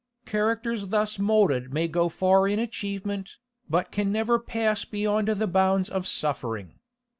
Characters thus moulded may go far in achievement, but can never pass beyond the bounds of suffering.